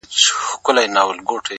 ږغ مي بدل سويدی اوس؛